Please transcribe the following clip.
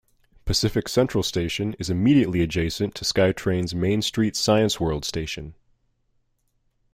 Pacific Central Station is immediately adjacent to SkyTrain's Main Street-Science World station.